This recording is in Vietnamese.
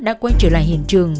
đã quay trở lại hiện trường